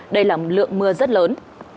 đây là một lượng mưa rất lớn